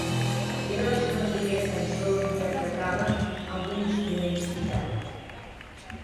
Era la seva primera cançó on interpretava amb un instrument sitar.